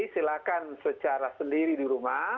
silakan secara sendiri di rumah